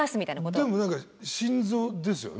でも何か心臓ですよね？